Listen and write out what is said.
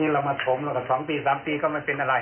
เรามาถมแล้วก็๒ปี๓ปีก็ไม่เป็นอะไร